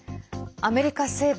アメリカ西部